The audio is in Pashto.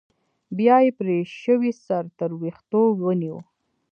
بيا يې پرې شوى سر تر ويښتو ونيو.